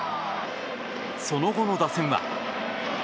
その後の打線は。